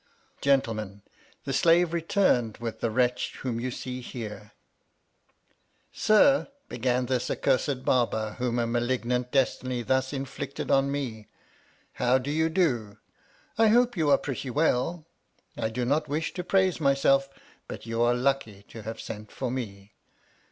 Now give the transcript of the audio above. Gentlemen, the slave returned with the wretch whom you see here. YOL. XI. 267 314 HOUSEHOLD WORDS. [Conducted by Sir, began this accursed Barber whom a malignant destiny thus inflicted on me, how do you do, I hope you are pretty well. I do all three. not wish to praise myself, but you are lucky to have sent for me.